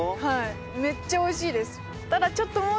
めっちゃおいしいです。